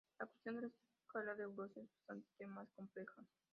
La cuestión de la escala de blues es bastante más compleja.